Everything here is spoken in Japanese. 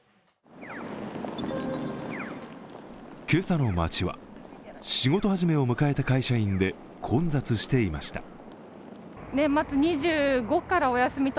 今朝の街は、仕事始めを迎えた会社員で混雑していました。